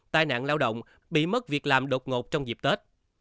tai nạn lao động bị mất việc làm đột ngột trong dịp tết